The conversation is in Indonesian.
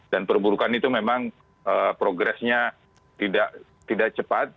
dan perburukan itu memang progresnya tidak cepat